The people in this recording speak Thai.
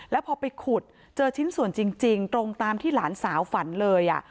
แล้วพอไปขุดเจอชิ้นส่วนจริงตรงตามที่หลานสาวฝันเลย